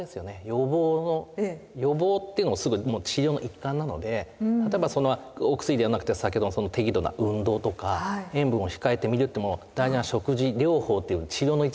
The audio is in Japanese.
予防の予防っていうのもすぐもう治療の一環なので例えばそのお薬ではなくて先程のその適度な運動とか塩分を控えてみるっていうのも大事な食事療法っていうのは治療の一部なんですね。